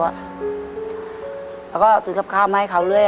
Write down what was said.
แล้วก็ซื้อกับข้าวมาให้เขาเรื่อย